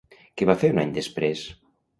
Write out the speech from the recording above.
Què va fer un any després?